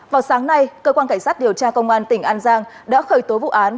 vào sáng nay cơ quan cảnh sát điều tra công an tỉnh an giang đã khởi tố vụ án